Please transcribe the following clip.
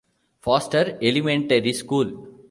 Foster Elementary School.